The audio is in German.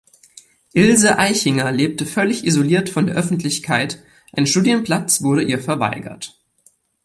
Ilse Aichinger lebte völlig isoliert von der Öffentlichkeit, ein Studienplatz wurde ihr verweigert.